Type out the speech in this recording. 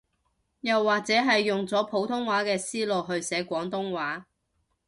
又或者係用咗普通話嘅思路去寫廣東話